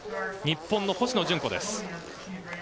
日本の星野純子です。